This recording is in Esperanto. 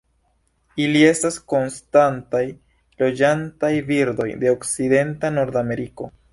Ili estas konstantaj loĝantaj birdoj de okcidenta Nordameriko.